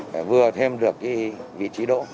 để vừa thêm được cái vị trí độ